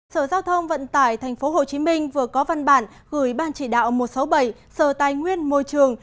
sở giao thông vận tải tp hcm vừa có văn bản gửi ban chỉ đạo một trăm sáu mươi bảy sở tài nguyên môi trường